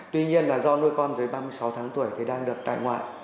tuy nhiên là do nuôi con dưới ba mươi sáu tháng tuổi thì đang được tại ngoại